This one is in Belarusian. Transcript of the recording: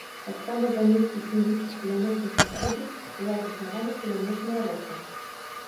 Таксама замест існуючых кулямётных узводаў была заснавана кулямётная рота.